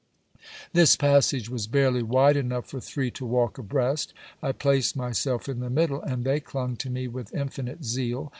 This passage was barely wide enough for three to walk abreast. I placed myself in the middle; and they clung to me with infinite zeal.